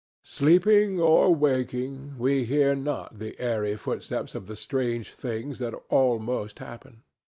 Sleeping or waking, we hear not the airy footsteps of the strange things that almost happen.